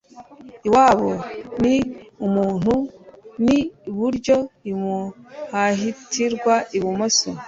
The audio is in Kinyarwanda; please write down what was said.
iwabo h’umuntu ni i buryo, imuhanahitwa ibumoso